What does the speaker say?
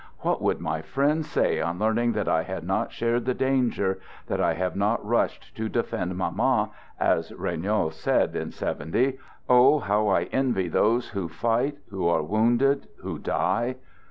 What would my friends say on learning that I had not shared the danger, that I have not rushed to " defend Mamma," as Regnault said in '70. Oh! how I envy those who fight, who are wounded, who die!